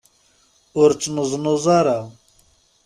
Ur ttneẓnuẓ ara.